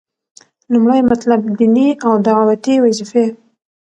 لومړی مطلب - ديني او دعوتي وظيفي: